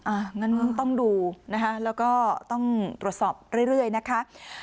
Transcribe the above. งั้นต้องดูนะคะแล้วก็ต้องตรวจสอบเรื่อยนะคะ